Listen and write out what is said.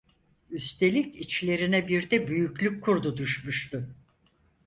Üstelik içlerine bir de büyüklük kurdu düşmüştü: